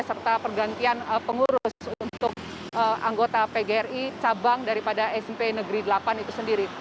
serta pergantian pengurus untuk anggota pgri cabang daripada smp negeri delapan itu sendiri